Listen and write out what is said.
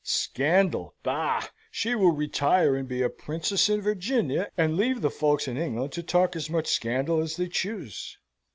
Scandal, bah! She will retire and be a princess in Virginia, and leave the folks in England to talk as much scandal as they choose.